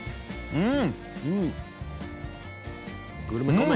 うん！